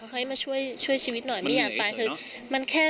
เขาค่อยมาช่วยชีวิตหน่อยไม่อยากตายคือ